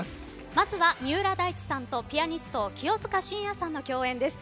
まずは三浦大知さんとピアニスト・清塚信也さんの共演です。